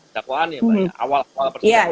dakwaan ya pak awal awal persidangan